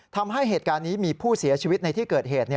ทำให้เหตุการณ์นี้มีผู้เสียชีวิตในที่เกิดเหตุ